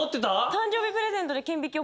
誕生日プレゼントで顕微鏡。